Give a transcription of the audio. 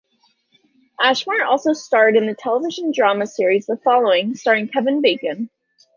Ashmore also starred in the television drama series "The Following", starring Kevin Bacon.